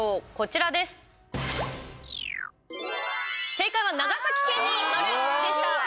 正解は「長崎県」に丸でした。